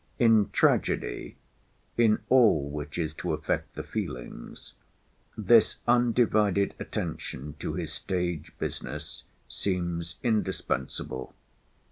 In tragedy—in all which is to affect the feelings—this undivided attention to his stage business, seems indispensable.